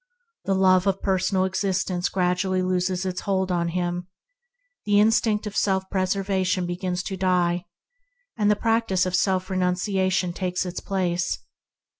The love of personal existence gradually loses hold on him; the instinct of self preservation begins to fade, and the practice of self renunciation takes its place.